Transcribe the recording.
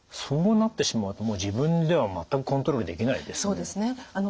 そうなってしまうともう自分では全くコントロールできないですね。